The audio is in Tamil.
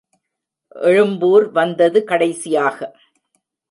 எழும்பூர் வந்தது கடைசியாக.